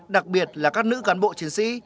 đặc biệt là các nữ cán bộ chiến sĩ